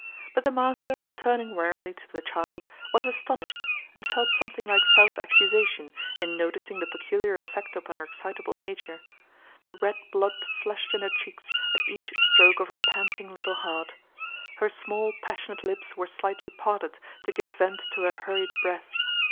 But the master, turning wearily to the child, was astonished and felt something like self accusation in noticing the peculiar effect upon her excitable nature. The red blood flushed in her cheeks at each stroke of her panting little heart. Her small passionate lips were slightly parted to give vent to her hurried breath.